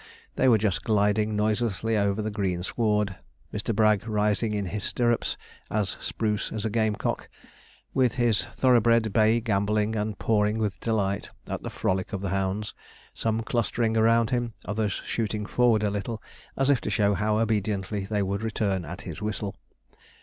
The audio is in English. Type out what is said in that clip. They were just gliding noiselessly over the green sward, Mr. Bragg rising in his stirrups, as spruce as a game cock, with his thoroughbred bay gambolling and pawing with delight at the frolic of the hounds, some clustering around him, others shooting forward a little, as if to show how obediently they would return at his whistle.